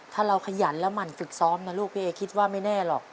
ถ้าเราขยันแล้วหมั่นฝึกซ้อมนะลูกพี่เอคิดว่าไม่แน่หรอก